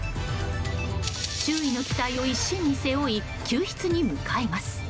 周囲の期待を一身に背負い救出に向かいます。